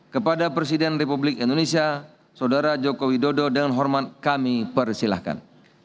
kepada presiden republik indonesia saudara joko widodo dengan hormat kami persilahkan